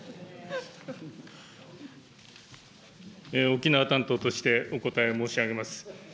沖縄担当として、お答え申し上げます。